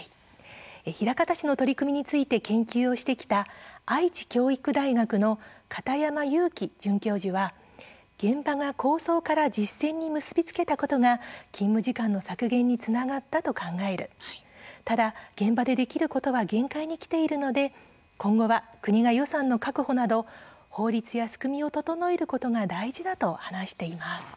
枚方市の取り組みについて研究をしてきた愛知教育大学の片山悠樹准教授は現場が構想から実践に結び付けたことが勤務時間の削減につながったと考えられるただ現場でできることは限界にきているので今後は国が予算の確保など法律や仕組みを整えることが大事だと話しています。